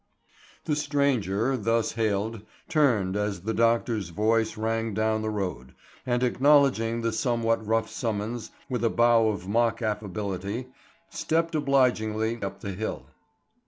THE stranger, thus hailed, turned as the doctor's voice rang down the road, and acknowledging the somewhat rough summons with a bow of mock affability, stepped obligingly up the hill.